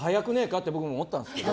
って、僕も思ったんですけど。